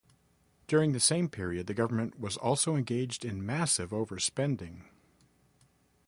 During the same period the government was also engaged in massive overspending.